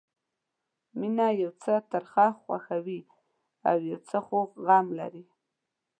مینه یو څه ترخه خوښي او یو څه خوږ غم لري.